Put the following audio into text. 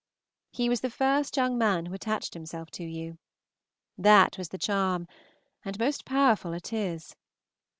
He was the first young man who attached himself to you. That was the charm, and most powerful it is.